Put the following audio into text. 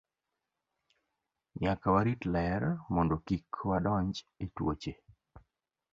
Nyaka warit ler mondo kik wadonj e tuoche.